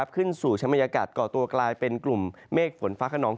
ขึ้นสู่ชมยากาศก่อตัวกลายเป็นกลุ่มเมฆฝนฟ้าขนอง